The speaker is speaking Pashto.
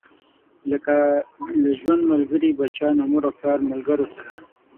لکه له ژوند ملګري، بچيانو، مور او پلار او ملګرو سره.